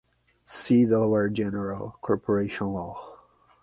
See Delaware General Corporation Law.